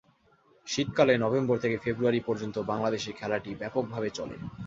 শীতকালে নভেম্বর থেকে ফেব্রুয়ারি পর্যন্ত বাংলাদেশে খেলাটি ব্যাপকভাবে চলে।